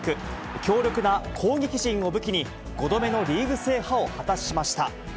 強力な攻撃陣を武器に、５度目のリーグ制覇を果たしました。